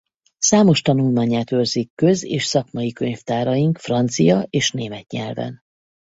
Számos tanulmányát őrzik köz- és szakmai könyvtáraink francia és német nyelven.